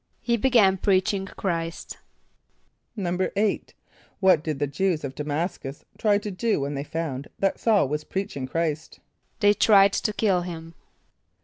=He began preaching Chr[=i]st.= =8.= What did the Jew[s+] of D[+a] m[)a]s´cus try to do when they found that S[a:]ul was preaching Chr[=i]st? =They tried to kill him.